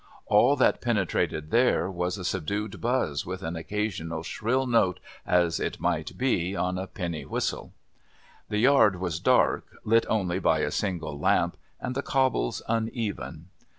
All that penetrated there was a subdued buzz with an occasional shrill note as it might be on a penny whistle. The Yard was dark, lit only by a single lamp, and the cobbles uneven.